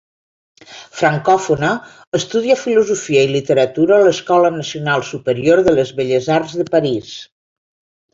Francòfona, estudia filosofia i literatura a l'escola nacional superior de les belles arts de París.